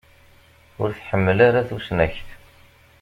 Ur tḥemmel ara tusnakt.